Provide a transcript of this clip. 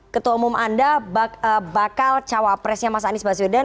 ketua umum anda bakal cawapresnya mas anies baswedan